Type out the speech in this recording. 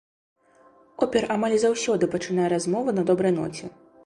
Опер амаль заўсёды пачынае размову на добрай ноце.